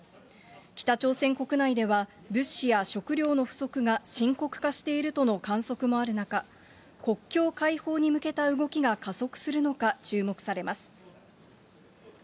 北朝鮮国内では、物資や食料の不足が深刻化しているとの観測もある中、国境開放に向けた動きが加速するのか注目されます。